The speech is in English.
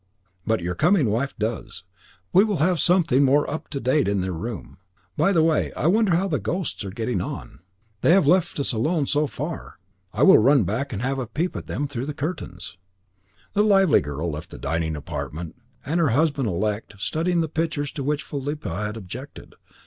"But your coming wife does. We will have something more up to date in their room. By the way, I wonder how the ghosts are getting on. They have let us alone so far. I will run back and have a peep at them through the curtains." The lively girl left the dining apartment, and her husband elect, studying the pictures to which Philippa had objected.